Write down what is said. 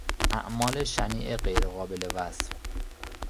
اعمال شنیع غیر قابل وصف